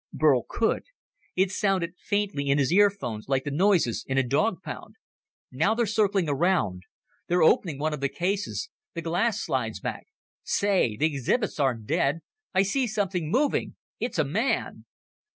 Burl could. It sounded faintly in his earphones like the noises in a dog pound. "Now they're circling around. They're opening one of the cases. The glass slides back.... Say! The exhibits aren't dead. I see something moving.... It's a man!"